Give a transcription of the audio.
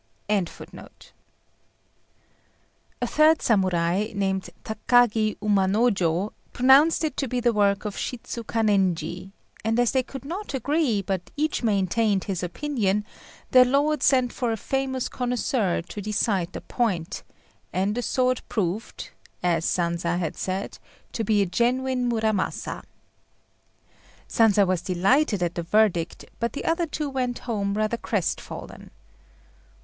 ] A third Samurai, named Takagi Umanojô, pronounced it to be the work of Shidzu Kanenji; and as they could not agree, but each maintained his opinion, their lord sent for a famous connoisseur to decide the point; and the sword proved, as Sanza had said, to be a genuine Muramasa. Sanza was delighted at the verdict; but the other two went home rather crestfallen.